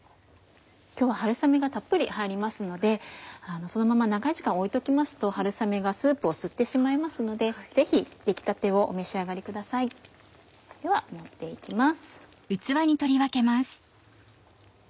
今日は春雨がたっぷり入りますのでそのまま長い時間置いときますと春雨がスープを吸ってしまいますのでぜひ出来たてをお召し上がりください。では盛って行きます。